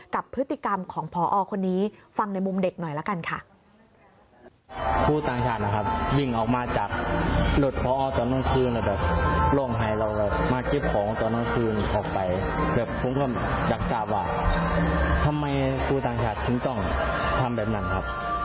กับพฤติกรรมของพอคนนี้ฟังในมุมเด็กหน่อยละกันค่ะ